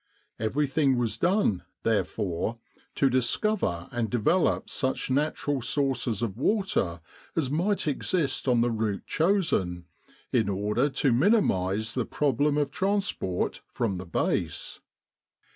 Everything was done, therefore, to discover and develop such natural sources of water as might exist on the route chosen, in order to minimise the problem of trans port from the base.